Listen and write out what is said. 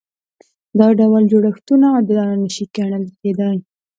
دا ډول جوړښتونه عادلانه نشي ګڼل کېدای.